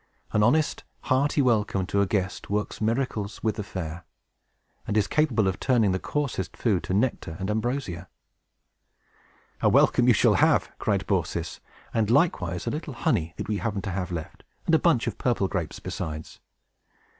"An honest, hearty welcome to a guest works miracles with the fare, and is capable of turning the coarsest food to nectar and ambrosia." "A welcome you shall have," cried Baucis, "and likewise a little honey that we happen to have left, and a bunch of purple grapes besides."